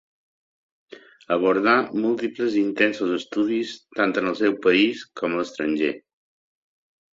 Abordà múltiples i intensos estudis, tant en el seu país com a l'estranger.